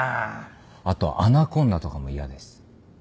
あとアナコンダとかも嫌です。